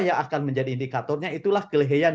yang akan menjadi indikatornya itulah kelehean